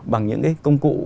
bằng những công cụ